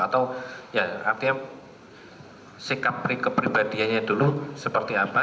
atau ya artinya sikap kepribadiannya dulu seperti apa